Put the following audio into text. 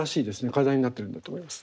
課題になっているんだと思います。